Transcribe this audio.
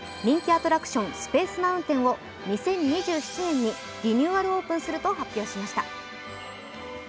アトラクションスペース・マウンテンを２０２７年にリニューアルオープンすると発表しました。